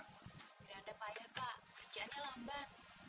miranda payah pak kerjaannya lambat